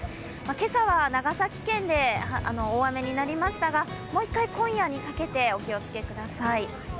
今朝は長崎県で大雨になりましたが、もう１回、今夜にかけてお気をつけください。